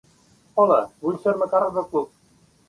Hola, vull fer-me càrrec del club.